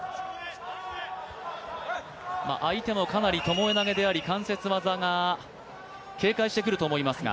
相手もかなりともえ投げであり関節技を警戒してくると思いますが。